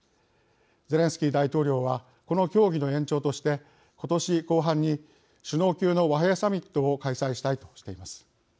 ゼレンスキー大統領はこの協議の延長として今年後半に首脳級の和平サミットを開催したいとしています。